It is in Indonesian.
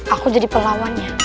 aku jadi pelawannya